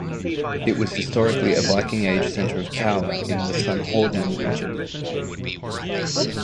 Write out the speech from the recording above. It was historically a Viking Age center of power in the Sunnhordland region.